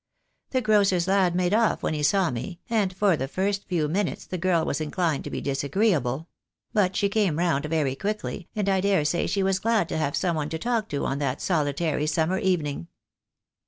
The grocer's lad made off when he saw me, and for the first few minutes the girl was inclined to be disagreeable; but she came round very quickly, and I daresay she was glad to have some one to talk to on that solitary summer evening.